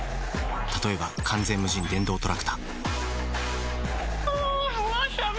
例えば完全無人電動トラクタあぁわさび。